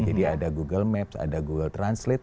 jadi ada google maps ada google translate